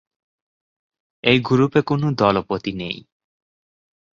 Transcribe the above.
এই গ্রুপে কোনো দলপতি নেই।